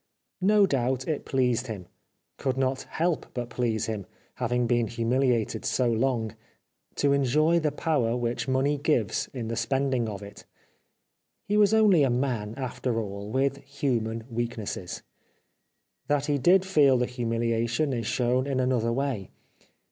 No doubt it pleased him — could not help but please him, having been humiliated so long — to enjoy the power which money gives in the spending of it. He was only a man after all, with human weaknesses. That he did feel the humiliation is shown in another way.